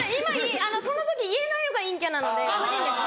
その時言えないのが陰キャなのでこれでいいんです。